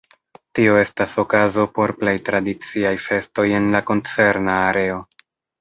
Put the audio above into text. Tio estas okazo por plej tradiciaj festoj en la koncerna areo.